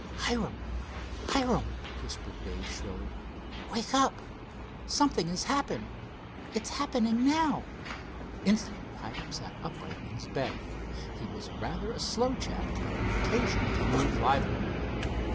"Hiram! Hiram!" whispered Dave shrilly. "Wake up! Something has happened—it's happening now!" Instantly Hiram sat upright in his bed. He was rather a slow chap, but on occasions could move lively.